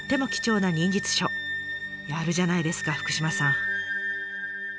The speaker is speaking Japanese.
やるじゃないですか福島さん。